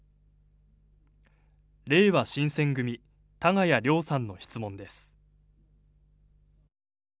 れいわ新選組、たがや亮さんの質問です。